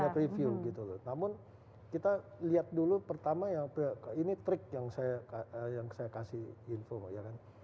iya betul ini banyak review gitu loh namun kita lihat dulu pertama yang ini trik yang saya kasih info ya kan